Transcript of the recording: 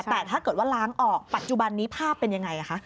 แต่ถ้าเกิดว่าล้างออกปัจจุบันนี้ภาพเป็นยังไงคะ